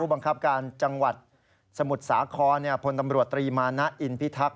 บังคับการจังหวัดสมุทรสาครพลตำรวจตรีมานะอินพิทักษ